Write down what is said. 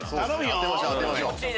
当てましょう。